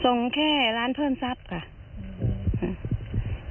ส่งแค่ร้านเพิ่มทรัพย์ก่อน